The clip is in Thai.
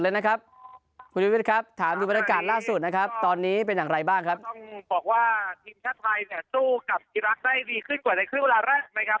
ต้องบอกว่าทีมชาติไทยเนี่ยสู้กับอิรักษ์ได้ดีขึ้นกว่าในครึ่งเวลาแรกนะครับ